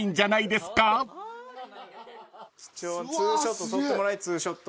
ツーショット撮ってもらいツーショット。